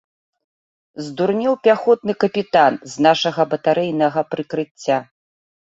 Здурнеў пяхотны капітан з нашага батарэйнага прыкрыцця.